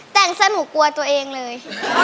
แต่งสนุกกลัวตัวเองเลย